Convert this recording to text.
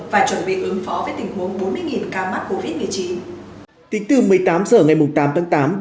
và chuẩn bị ứng phó với tình huống bốn mươi ca mắc covid một mươi chín